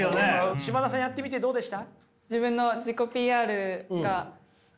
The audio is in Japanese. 嶋田さんやってみてどうでした？